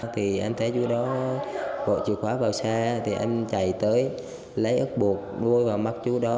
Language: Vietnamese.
thì anh thấy chú đó bộ chìa khóa vào xe thì anh chạy tới lấy ớt bột đuôi vào mắt chú đó